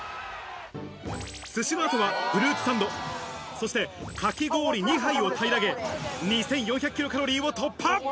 寿司の後はフルーツサンド、そして、かき氷２杯を平らげ２４００ｋｃａｌを突破！